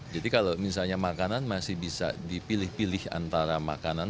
jadi kalau misalnya makanan masih bisa dipilih pilih antara makanan